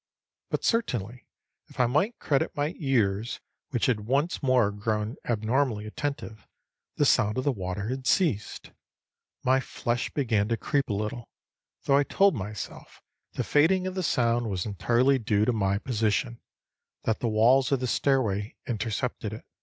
But certainly, if I might credit my ears, which had once more grown abnormally attentive, the sound of the water had ceased. My flesh began to creep a little, though I told myself the fading of the sound was entirely due to my position, that the walls of the stairway intercepted it.